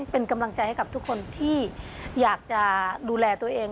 เป็นกำลังใจให้กับทุกคนที่อยากจะดูแลตัวเอง